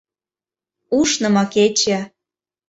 УШНЫМО КЕЧЕ